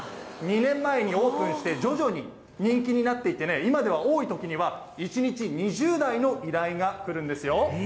２年前にオープンして徐々に人気になっていってね、今では多いときには、１日２０台の依頼が来るんですよ。